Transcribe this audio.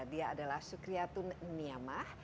dia adalah syukriyatun niamah